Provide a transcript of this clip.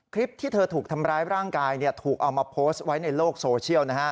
คลิปที่เธอถูกทำร้ายร่างกายถูกเอามาโพสต์ไว้ในโลกโซเชียล